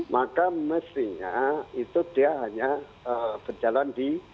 maka mestinya itu dia hanya berjalan di